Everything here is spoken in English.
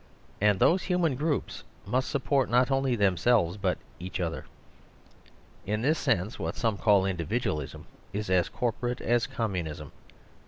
And those human groups must sup port not only themselves but each other. In this sense what some call individualism is as corporate as communism.